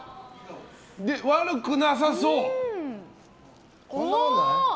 悪くなさそう！